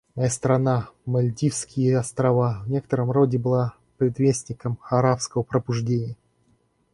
Моя страна, Мальдивские Острова, в некотором роде была предвестником «арабского пробуждения».